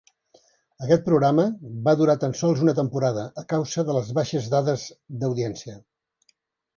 Aquest programa va durar tan sols una temporada, a causa de les baixes dades d'audiència.